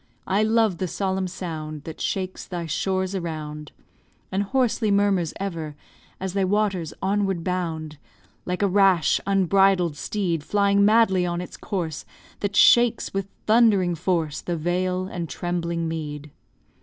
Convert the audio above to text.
I love the solemn sound That shakes thy shores around, And hoarsely murmurs, ever, As thy waters onward bound, Like a rash, unbridled steed Flying madly on its course; That shakes with thundering force The vale and trembling mead.